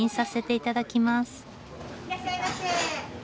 いらっしゃいませ。